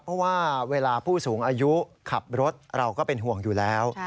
เพราะว่าเวลาผู้สูงอายุขับรถเราก็เป็นห่วงอยู่แล้ว